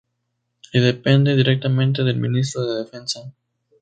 Y depende directamente del Ministro de Defensa.